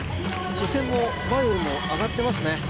視線も前よりも上がってますね